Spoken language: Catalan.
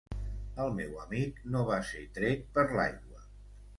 El meu amic no va ser tret per l'aigua...